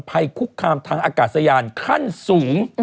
ภัยคุกคามทางอากาศยานขั้นสูง